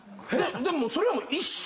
でもそれは。